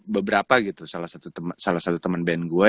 beberapa salah satu temen band magazine